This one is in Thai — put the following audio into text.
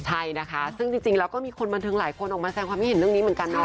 ใช่นะคะซึ่งจริงแล้วก็มีคนบันเทิงหลายคนออกมาแสงความคิดเห็นเรื่องนี้เหมือนกันเนาะ